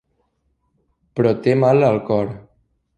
Però té mal al cor.